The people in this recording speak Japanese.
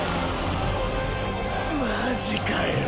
マジかよ。